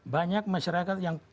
banyak masyarakat yang